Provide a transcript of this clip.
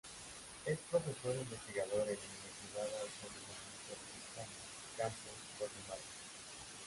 Es profesor-investigador en la Universidad Autónoma Metropolitana, Campus Cuajimalpa.